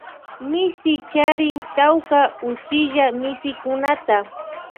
Misi charin tawka uchilla misikunata.